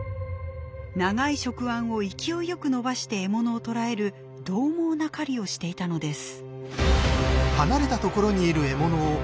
長い触腕を勢いよく伸ばして獲物を捕らえるどう猛な狩りをしていたのです。